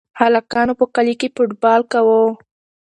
هلکانو په کلي کې فوټبال کاوه.